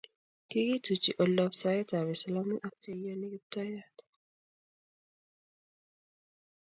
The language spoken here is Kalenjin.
kikituchi oldab saetab islamik ak che iyoni Kiptayat